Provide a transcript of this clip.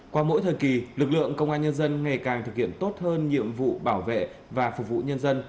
qua mỗi thời kỳ lực lượng công an nhân dân ngày càng thực hiện tốt hơn nhiệm vụ bảo vệ và phục vụ nhân dân